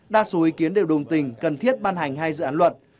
đa số ý kiến đều đồng tình cần thiết ban hành hai dự án luật